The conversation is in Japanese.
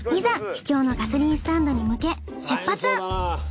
秘境のガソリンスタンドに向け出発。